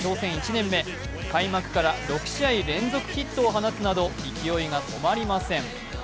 １年目、開幕から６試合連続ヒットを放つなど勢いが止まりません。